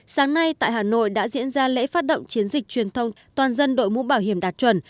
sáng nay tại hà nội đã diễn ra lễ phát động chiến dịch truyền thông toàn dân đội mũ bảo hiểm đạt chuẩn